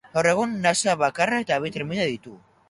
Gaur egun nasa bakarra eta bi trenbide ditu.